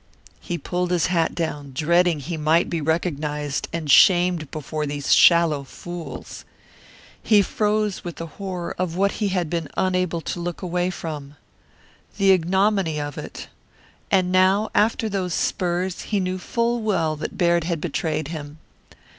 He pulled his hat down, dreading he might be recognized and shamed before these shallow fools. He froze with the horror of what he had been unable to look away from. The ignominy of it! And now, after those spurs, he knew full well that Baird had betrayed him.